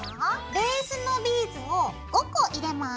ベースのビーズを５個入れます。